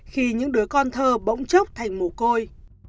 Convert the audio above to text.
khi những đứa con thơ bỗng chốc thành mù côi